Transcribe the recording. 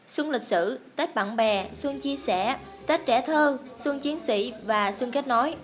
xuân lịch sử tết bạn bè xuân chia sẻ tết trẻ thơ xuân chiến sĩ và xuân kết nối